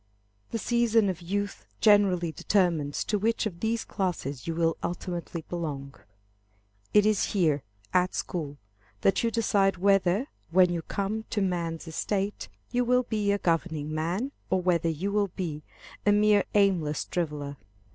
The season of youth generally determines to which of these classes you will ultimately belong. It is here, at school, that you decide whether, when you come to man's estate, you will be a governing man, or whether you will be a mere aimless driveller.